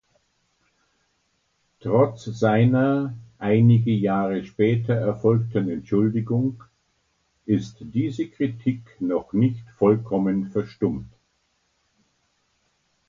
Trotz seiner einige Jahre später erfolgten Entschuldigung ist diese Kritik noch nicht vollkommen verstummt.